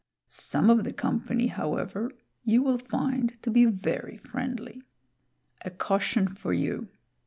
Some of the company, however, you will find to be very friendly. A caution for you.